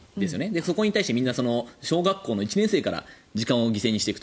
そこに対して小学校の１年生から時間を犠牲にしていくと。